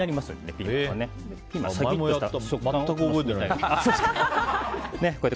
全く覚えてないや。